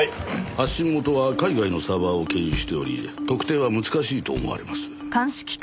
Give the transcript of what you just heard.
発信元は海外のサーバーを経由しており特定は難しいと思われます。